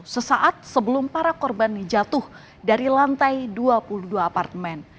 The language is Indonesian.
sesaat sebelum para korban jatuh dari lantai dua puluh dua apartemen